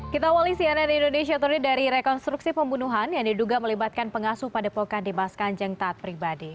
kita awali siaran indonesia tundi dari rekonstruksi pembunuhan yang diduga melibatkan pengasuh pada pokokan dimas kanjeng taat pribadi